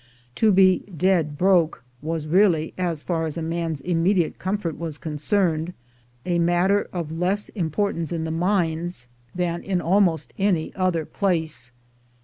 To be "dead broke" was really, as far as a man's immediate comfort was concerned, a matter of less importance in the mines than in almost any other 246 THE GOLD HUNTERS place.